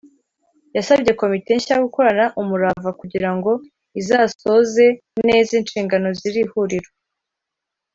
yasabye komite nshya gukorana umurava kugira ngo izasoze neza inshingano z’iri huriro